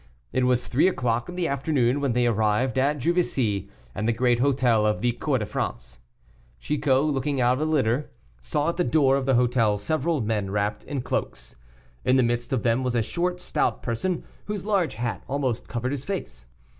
It was three o'clock in the afternoon when they arrived at Juvisy and the great hotel of the "Cour de France." Chicot, looking out of the litter, saw at the door of the hotel several men wrapped in cloaks. In the midst of them was a short, stout person, whose large hat almost covered his face.